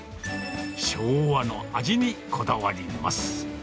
昭和の味にこだわります。